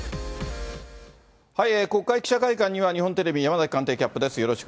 国会記者会館には日本テレビ、山崎官邸キャップです。